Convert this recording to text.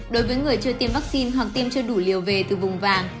đối với người chưa tiêm vaccine hoặc tiêm chưa đủ liều về từ vùng vàng